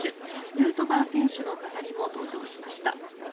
ヌートバー選手の飾りも登場しました。